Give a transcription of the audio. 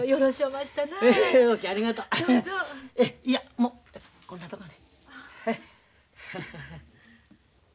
いやもうこんなとこで。